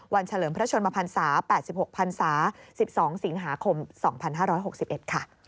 เฉลิมพระชนมพันศา๘๖พันศา๑๒สิงหาคม๒๕๖๑ค่ะ